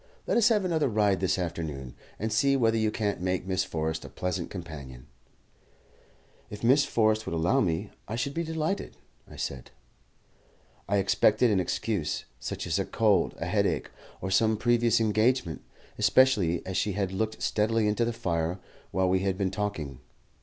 "Let us have another ride this afternoon, and see whether you can't make Miss Forrest a pleasant companion." "If Miss Forrest would allow me, I should be delighted," I said. I expected an excuse, such as a cold, a headache, or some previous engagement, especially as she had looked steadily into the fire while we had been talking.